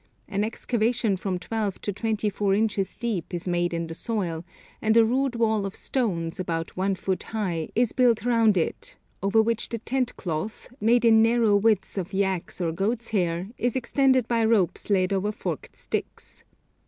An excavation from twelve to twenty four inches deep is made in the soil, and a rude wall of stones, about one foot high, is built round it, over which the tent cloth, made in narrow widths of yak's or goat's hair, is extended by ropes led over forked sticks.